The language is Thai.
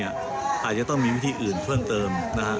อาจจะต้องมีวิธีอื่นเพิ่มเติม